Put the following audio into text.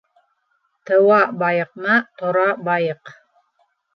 Тыуа байыҡма, тора байыҡ.